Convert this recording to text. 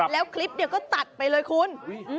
แล้วคลิปเนี่ยก็ตัดไปเลยคุณ